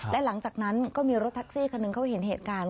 และหลังจากนั้นก็มีรถแท็กซี่คันหนึ่งเขาเห็นเหตุการณ์